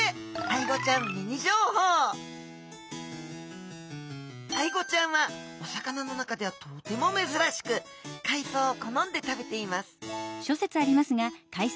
アイゴちゃんはお魚の中ではとてもめずらしく海藻を好んで食べています